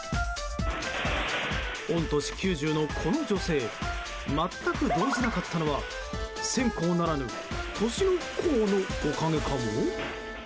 御年９０のこの女性全く動じなかったのは線香ならぬ年の功のおかげかも？